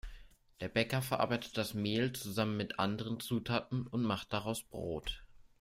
Der Bäcker verarbeitet das Mehl zusammen mit anderen Zutaten und macht daraus Brot.